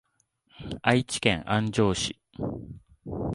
愛知県安城市